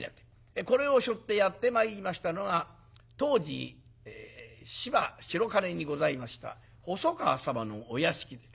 これをしょってやって参りましたのが当時芝白金にございました細川様のお屋敷で。